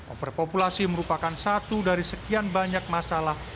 overpopulasi merupakan satu dari sekian banyak masalah